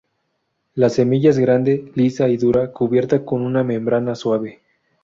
La semilla es grande, lisa y dura, cubierta con una membrana suave.